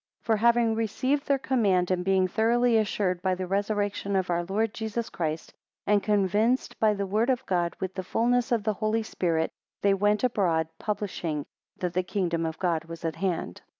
3 For having received their command, and being thoroughly assured by the resurrection of our Lord Jesus Christ, and convinced by the word of God, with the fulness of the Holy Spirit, they went abroad, publishing, That the kingdom of God was at hand.